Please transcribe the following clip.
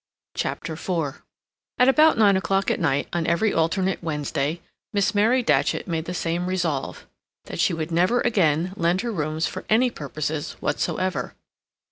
CHAPTER IV At about nine o'clock at night, on every alternate Wednesday, Miss Mary Datchet made the same resolve, that she would never again lend her rooms for any purposes whatsoever.